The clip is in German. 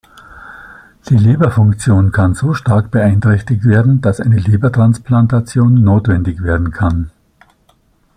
Die Leberfunktion kann so stark beeinträchtigt werden, dass eine Lebertransplantation notwendig werden kann.